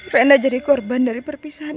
venda jadi korban dari perpisahan